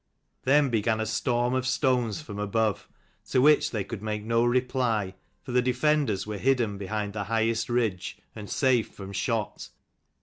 Then began a storm of stones from above, to which they could make no reply, for the defenders were hidden behind the highest ridge, and safe from shot.